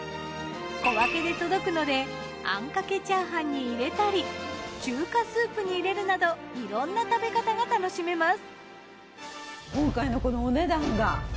小分けで届くのであんかけチャーハンに入れたり中華スープに入れるなどいろんな食べ方が楽しめます。